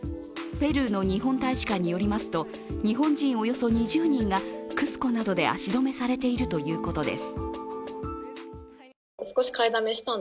ペルーの日本大使館によりますと日本人およそ２０人がクスコなどで足止めされているということです。